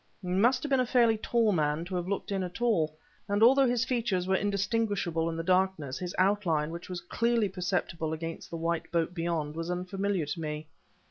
He must have been a fairly tall man to have looked in at all, and although his features were indistinguishable in the darkness, his outline, which was clearly perceptible against the white boat beyond, was unfamiliar to me.